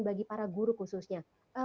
bagi para guru khususnya